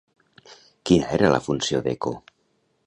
Quina era la funció d'Eco?